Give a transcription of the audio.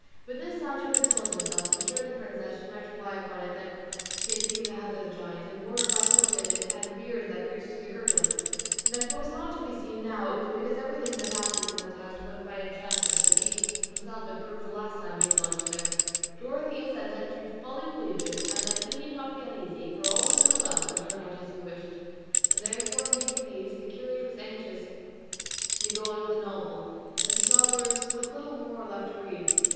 With this Sancho consoled himself, and assured the princess she might rely upon it that he had seen the head of the giant, and more by token it had a beard that reached to the girdle, and that if it was not to be seen now it was because everything that happened in that house went by enchantment, as he himself had proved the last time he had lodged there. Dorothea said she fully believed it, and that he need not be uneasy, for all would go well and turn out as he wished. All therefore being appeased, the curate was anxious to go on with the novel, as he saw there was but little more left to read.